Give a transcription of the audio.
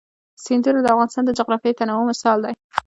سیندونه د افغانستان د جغرافیوي تنوع مثال دی.